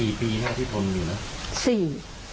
สี่ปีถ้าที่ทนอยู่แล้วสี่